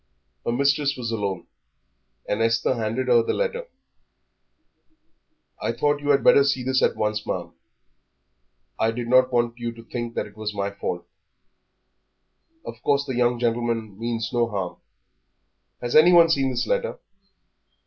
Her mistress was alone, and Esther handed her the letter. "I thought you had better see this at once, ma'am. I did not want you to think it was my fault. Of course the young gentleman means no harm." "Has anyone seen this letter?"